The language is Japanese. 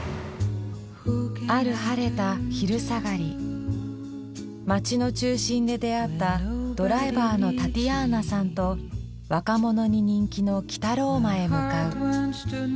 ある晴れた昼下がり街の中心で出会ったドライバーのタティアーナさんと若者に人気の北ローマへ向かう。